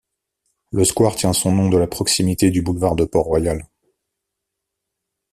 Le square tient son nom de la proximité du boulevard de Port-Royal.